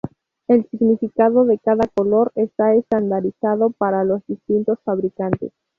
El significado de cada color está estandarizado para los distintos fabricantes.